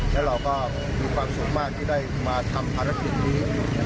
และเราก็มีความสุขมากที่ได้มาทำภารกิจนี้